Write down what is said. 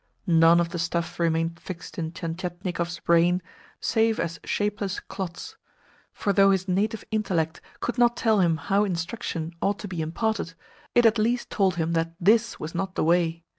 None of the stuff remained fixed in Tientietnikov's brain save as shapeless clots; for though his native intellect could not tell him how instruction ought to be imparted, it at least told him that THIS was not the way.